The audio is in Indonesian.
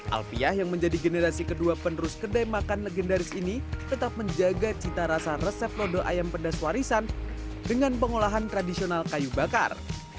alpiah yang menjadi generasi kedua penerus kedai makan legendaris ini tetap menjaga cita rasa resep lodo ayam pedas warisan dengan pengolahan tradisional kayu bakar